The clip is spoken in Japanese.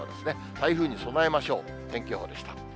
台風に備えましょう。